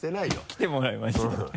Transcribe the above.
来てもらいました。